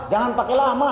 jangan pakai lama